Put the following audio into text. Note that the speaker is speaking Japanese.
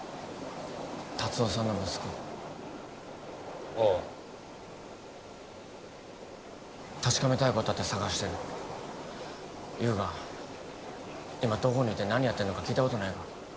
達雄さんの息子ああ確かめたいことあって捜してる優が今どこにいて何やってんのか聞いたことないか？